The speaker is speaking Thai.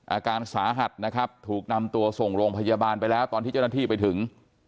อาการสาหัสนะครับถูกนำตัวส่งโรงพยาบาลไปแล้วตอนที่เจ้าหน้าที่ไปถึง